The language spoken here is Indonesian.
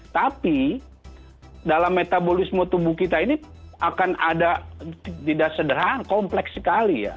tapi dalam metabolisme tubuh kita ini akan ada tidak sederhana kompleks sekali ya